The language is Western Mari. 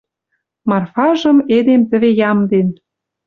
Марфажым эдем тӹве ямден...» —